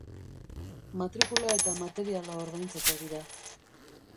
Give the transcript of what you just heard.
Matrikula eta materiala ordaintzeko dira.